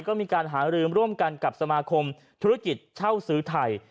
ก็มีการหารือร่วมกันกับสมาคมธุรกิจเช่าซื้อไทย